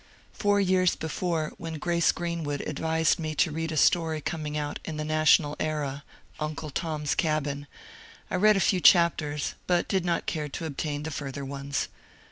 Four years before, when Grace Greenwood advised me to read a story coming out in the " National Era," " Uncle Tom*s Cabin," I read a few chap ters, but did not care to obtain the further ones.